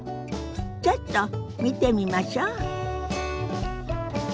ちょっと見てみましょ。